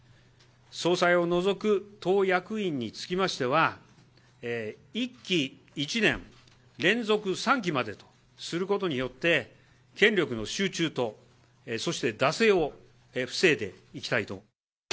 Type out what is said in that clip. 総裁を除く党役員につきましては、１期１年、連続３期までとすることによって、権力の集中と、そして惰性を防いでいきたいと。